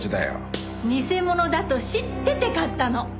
偽物だと知ってて買ったの。